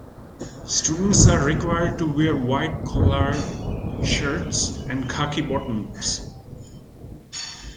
Students are required to wear white collared shirts and khaki bottoms.